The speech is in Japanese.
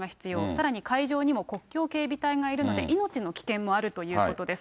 さらに海上にも国境警備隊がいるので、命の危険もあるということです。